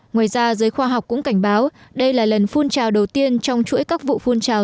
ngoài ra giới khoa học cũng cảnh báo đây là lần phun trào đầu tiên trong chuỗi các vụ phun trào